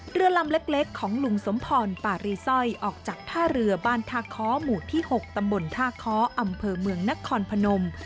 เรือลำเล็กของลุงสมพรปารีสร้อยออกจากท่าเรือบ้านท่าค้อหมู่ที่๖ตำบลท่าค้ออำเภอเมืองนครพนม